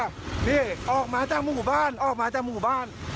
นี่ออกมาจากหมู่บ้านออกมาจากหมู่บ้าน